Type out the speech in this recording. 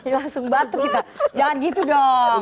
langsung bantu kita jangan gitu dong